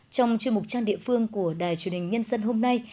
trong chuyên mục trang địa phương của đài truyền hình nhân dân hôm nay